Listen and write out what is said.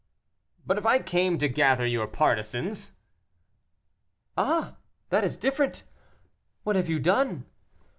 "But, if I came to gather your partisans?" "Ah! that is different. What have you done?"